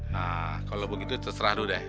nah kalo begitu terserah lo deh